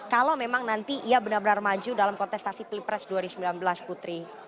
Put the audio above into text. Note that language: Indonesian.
kalau memang nanti ia benar benar maju dalam kontestasi pilpres dua ribu sembilan belas putri